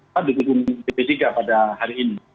pada dihitung p tiga pada hari ini